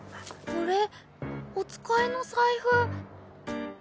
これお使いの財布。